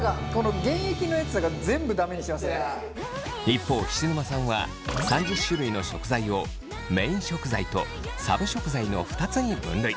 一方菱沼さんは３０種類の食材をメイン食材とサブ食材の２つに分類。